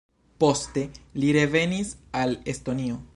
Poste li revenis al Estonio.